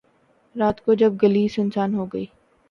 رات کو جب گلی سنسان ہو گئی